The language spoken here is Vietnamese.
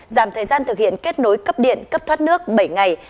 giảm thời gian thực hiện kết nối cấp điện cấp thoát nước bảy ngày